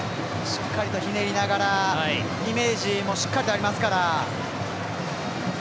しっかりとひねりながらイメージもしっかりとありますから。